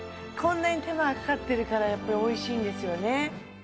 こんなに手間がかかってるからやっぱりおいしいんですよね